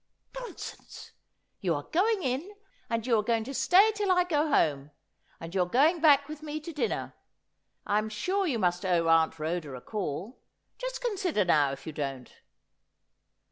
' Nonsense ; you are going in, and you are going to stay till I go home, and you are going back with me to dinner. I'm sure you must owe Aunt Rhoda a call. Just consider now if you don't.'